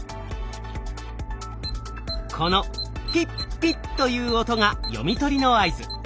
この「ピッピッ」という音が読み取りの合図。